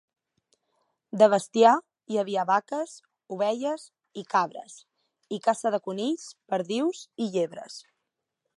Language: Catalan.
De bestiar, hi havia vaques, ovelles i cabres, i caça de conills, perdius i llebres.